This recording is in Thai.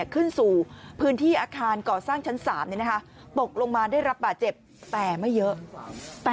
ขึ้นสู่พื้นที่อาคารก่อสร้างชั้น๓ตกลงมาได้รับบาดเจ็บแต่ไม่เยอะ